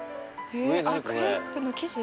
えっあっクレープの生地？